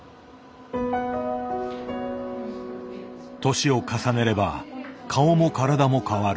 年を重ねれば顔も体も変わる。